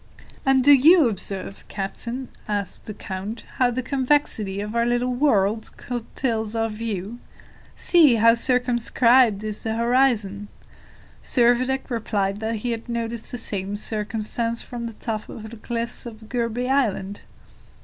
"And do you observe, captain," asked the count, "how the convexity of our little world curtails our view? See, how circumscribed is the horizon!" Servadac replied that he had noticed the same circumstance from the top of the cliffs of Gourbi Island.